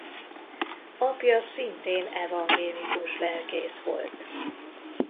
Apja szintén evangélikus lelkész volt.